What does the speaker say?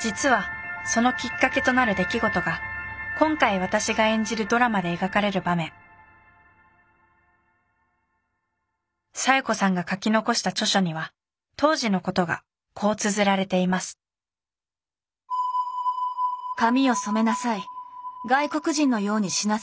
実はそのきっかけとなる出来事が今回私が演じるドラマで描かれる場面小夜子さんが書き残した著書には当時のことがこうつづられています小夜子さんの言うあるがままの私。